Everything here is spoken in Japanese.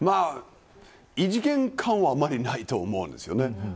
異次元感はあんまりないんですよね。